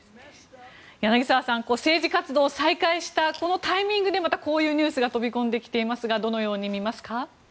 柳澤さん、政治活動を再開したこのタイミングでまたこういうニュースが飛び込んできていますがどのように見ますか。